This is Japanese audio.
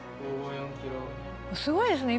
すごいですね。